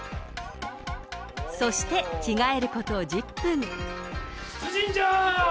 そして着替えること１０分。